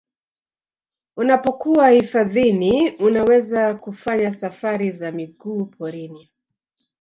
Unapokuwa hifadhini unaweza kufanya safari za miguu porini